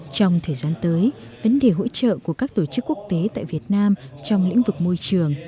trong thời gian tới vấn đề hỗ trợ của các tổ chức quốc tế tại việt nam trong lĩnh vực môi trường